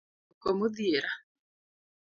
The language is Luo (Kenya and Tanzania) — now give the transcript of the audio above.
Igokoko modhiera